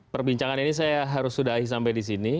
perbincangan ini saya harus sudahi sampai di sini